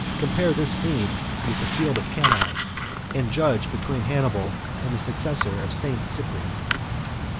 Compare this scene with the field of Cannae; and judge between Hannibal and the successor of St. Cyprian.